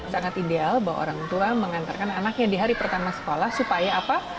sangat ideal bahwa orang tua mengantarkan anaknya di hari pertama sekolah supaya apa